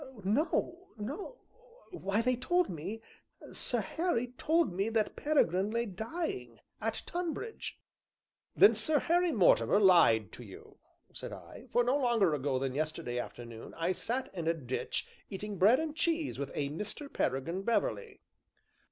no, no why, they told me Sir Harry told me that Peregrine lay dying at Tonbridge." "Then Sir Harry Mortimer lied to you," said I, "for no longer ago than yesterday afternoon I sat in a ditch eating bread and cheese with a Mr. Peregrine Beverley."